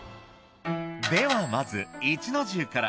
ではまず壱の重から。